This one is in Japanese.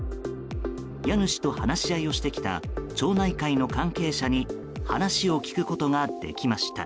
家主と話し合いをしてきた町内会の関係者に話を聞くことができました。